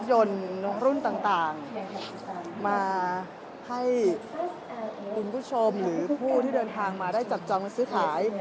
ยนต์รุ่นต่างมาให้คุณผู้ชมหรือผู้ที่เดินทางมาได้จับจองซื้อขาย